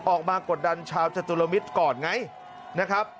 ออกมากดดันชาวจตุลมิตรก่อนไงนะครับ